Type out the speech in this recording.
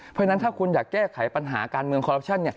เพราะฉะนั้นถ้าคุณอยากแก้ไขปัญหาการเมืองคอรัปชั่น